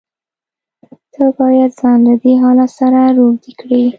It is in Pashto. ته بايد ځان له دې حالت سره روږدى کړې.